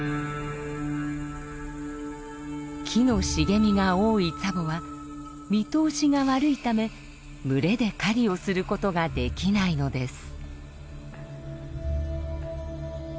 木の茂みが多いツァボは見通しが悪いため群れで狩りをすることができないのです。